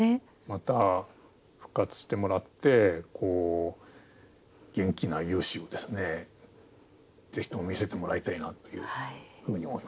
また復活してもらって元気な雄姿をぜひとも見せてもらいたいなというふうに思いますね。